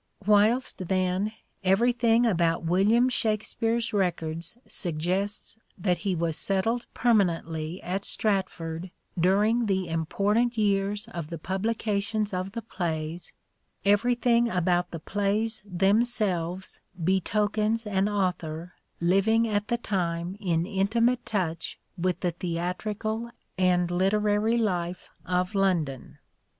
Whilst, then, everything about William Shakspere's records suggests that he was settled permanently at Stratford during the important years of the publica tion of the plays, everything about the plays them selves betokens an author living at the time in intimate touch with the theatrical and literary life of London.